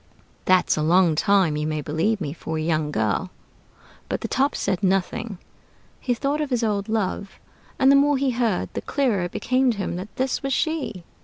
That's a long time, you may believe me, for a young girl." But the Top said nothing. He thought of his old love; and the more he heard, the clearer it became to him that this was she.